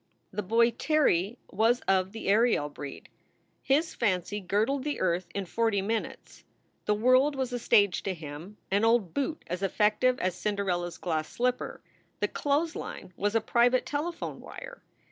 The boy Terry was of the Ariel breed. His fancy girdled the earth in forty minutes. The world was a stage to him; an old boot as effective as Cinderella s glass slipper; the clothesline was a private telephone wire.